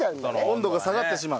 温度が下がってしまう。